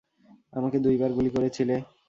আমাকে দুইবার গুলি করেছিলে!